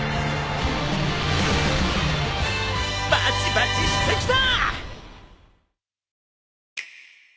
バチバチしてきた！